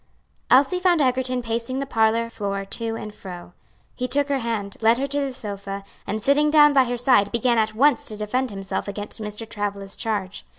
Elsie found Egerton pacing the parlor floor to and fro. He took her hand, led her to the sofa, and sitting down by her side, began at once to defend himself against Mr. Travilla's charge.